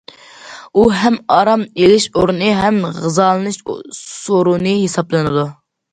ئۇ ھەم ئارام ئېلىش ئورنى، ھەم غىزالىنىش سورۇنى ھېسابلىنىدۇ.